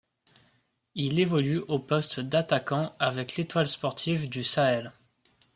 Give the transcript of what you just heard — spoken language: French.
Il évolue au poste d'attaquant avec l'Étoile sportive du Sahel.